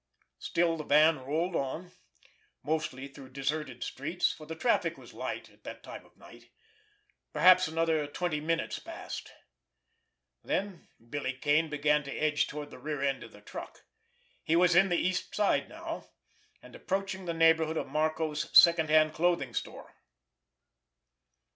Still the van rolled on—mostly through deserted streets, for the traffic was light at that time of night. Perhaps another twenty minutes passed. Then Billy Kane began to edge toward the rear end of the truck. He was in the East Side now, and approaching the neighborhood of Marco's second hand clothing store.